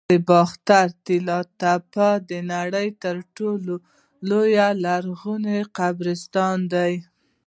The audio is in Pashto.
د باختر د طلایی تپې د نړۍ تر ټولو لوی لرغوني قبرستان دی